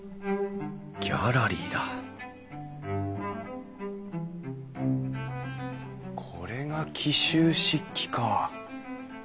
ギャラリーだこれが紀州漆器か。